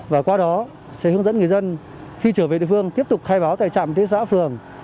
và qua đó sẽ hướng dẫn người dân khi trở về địa phương tiếp tục khai báo tại trạm y tế xã phường